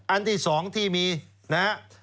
อันที่๒ที่มีนะครับ